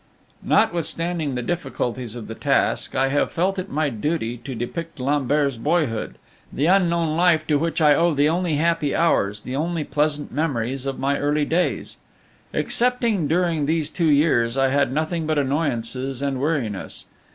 Notwithstanding the difficulties of the task, I have felt it my duty to depict Lambert's boyhood, the unknown life to which I owe the only happy hours, the only pleasant memories, of my early days. Excepting during those two years I had nothing but annoyances and weariness.